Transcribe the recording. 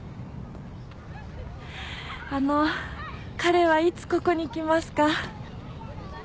あの彼はいつここに来ますか？